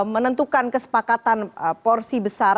menentukan kesepakatan porsi besar